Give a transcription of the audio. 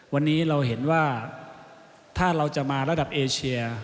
วันนี้เราเห็นว่าถ้าเราจะมาระดับเอเชีย